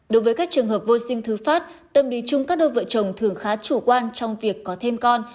đối với các trường hợp vô sinh thứ phát tâm lý chung các đôi vợ chồng thường khá chủ quan trong việc có thêm con